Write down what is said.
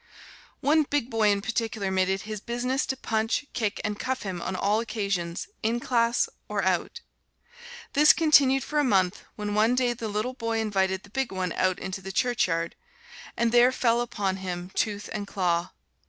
One big boy in particular made it his business to punch, kick and cuff him on all occasions, in class or out. This continued for a month, when one day the little boy invited the big one out into the churchyard and there fell upon him tooth and claw.